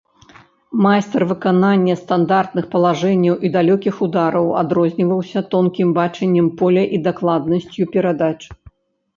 Майстар выканання стандартных палажэнняў і далёкіх удараў, адрозніваўся тонкім бачаннем поля і дакладнасцю перадач.